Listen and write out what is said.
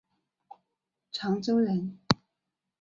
长洲人。